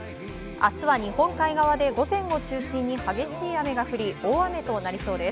明日は日本海側で午前を中心に激しい雨が降り大雨となりそうです。